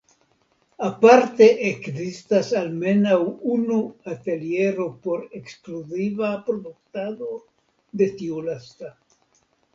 Aparte ekzistas almenaŭ unu ateliero por ekskluziva produktado de tiu lasta.